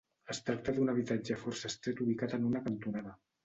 Es tracta d'un habitatge força estret ubicat en una cantonada.